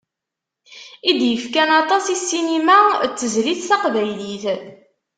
I d-yefkan aṭas i ssinima d tezlit taqbaylit.